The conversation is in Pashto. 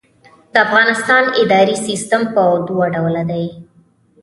د افغانستان اداري سیسټم په دوه ډوله دی.